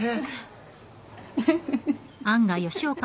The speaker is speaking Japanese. フッフフフ。